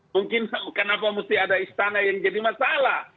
mungkin kenapa mesti ada istana yang jadi masalah